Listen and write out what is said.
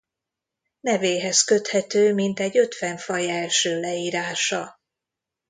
Nevéhez köthető mintegy ötven faj első leírása.